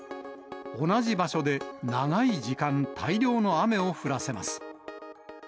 同じ場所で長い時間、大量の雨を降らせます。